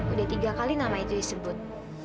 udah tiga kali nama itu disebut